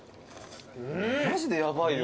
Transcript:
マジでヤバいよ